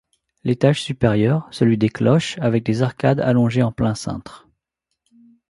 L'étage supérieur, celui des cloches, avec des arcades allongées en plein cintre.